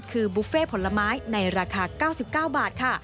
คือบุฟเฟ่ผลไม้ในราคา๙๙บาทค่ะ